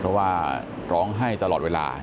เพราะว่าร้องไห้ตลอดเวลา